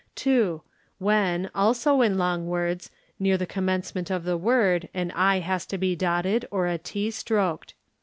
ia 2. When, also in long words, near the commencement of the word an i has to be dotted or ¢ stroked.